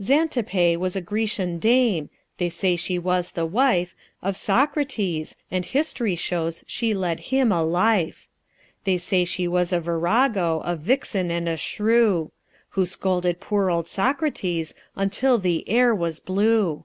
Xantippe was a Grecian Dame they say she was the wife Of Socrates, and history shows she led him a life! They say she was a virago, a vixen and a shrew, Who scolded poor old Socrates until the air was blue.